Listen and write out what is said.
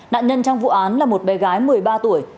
nạn nhân trong vụ án là một bé gái một mươi ba tuổi